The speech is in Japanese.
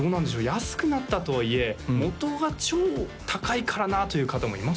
安くなったとはいえもとが超高いからなという方もいませんか？